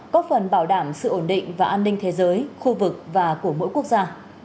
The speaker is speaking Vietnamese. có phần bảo đảm sự ổn định và an ninh thế giới khu vực và của mỗi quốc gia